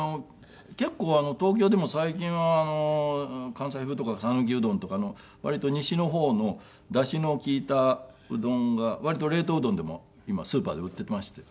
結構東京でも最近は関西風とか讃岐うどんとかの割と西の方のダシの利いたうどんが割と冷凍うどんでも今スーパーで売っていまして。